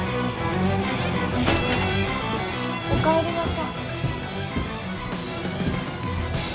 おかえりなさ。